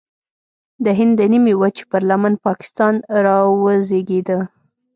د هند د نیمې وچې پر لمن پاکستان راوزېږید.